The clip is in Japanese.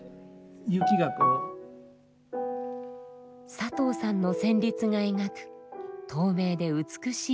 佐藤さんの旋律が描く透明で美しい雪景色。